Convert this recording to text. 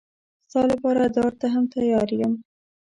ستا لپاره دار ته هم تیار یم.